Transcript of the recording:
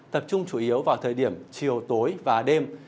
tập trung chủ yếu vào thời điểm chiều tối và đêm